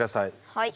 はい。